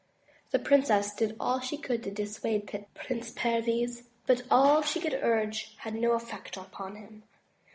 The Princess did all she could to dissuade Prince Perviz, but all she could urge had no effect upon him.